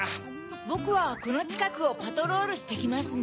ぼくはこのちかくをパトロールしてきますね。